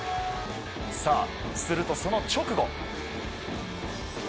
すると、その直後。